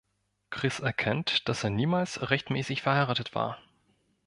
Chris erkennt, dass er niemals rechtmäßig verheiratet war.